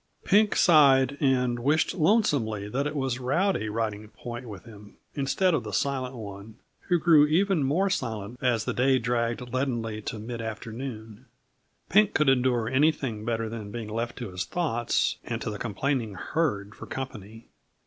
Pink sighed, and wished lonesomely that it was Rowdy riding point with him, instead of the Silent One, who grew even more silent as the day dragged leadenly to mid afternoon; Pink could endure anything better than being left to his thoughts and to the complaining herd for company.